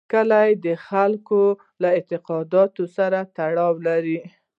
کلي د خلکو له اعتقاداتو سره تړاو لري.